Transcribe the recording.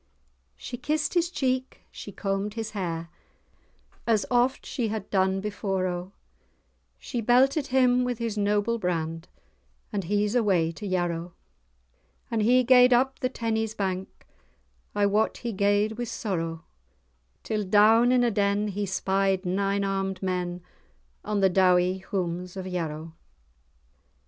She kissed his cheek, she combed his hair, As oft she had done before, O, She belted him with his noble brand, "And he's away to Yarrow." As he gaed up the Tennies bank I wot he gaed with sorrow, Till down in a den he spied nine armed men, On the dowie houms of Yarrow.